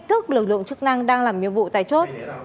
tức lực lượng chức năng đang làm nhiệm vụ tại chốt